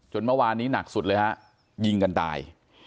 เมื่อวานนี้หนักสุดเลยฮะยิงกันตาย